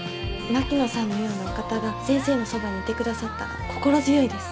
槙野さんのようなお方が先生のそばにいてくださったら心強いです。